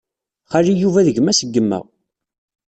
Xali Yuba d gma-s n yemma.